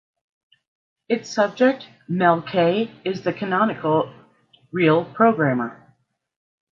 Its subject, Mel Kaye, is the canonical Real Programmer.